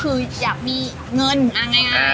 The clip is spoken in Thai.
คืออยากมีเงินง่าย